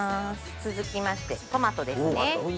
続きましてトマトですね。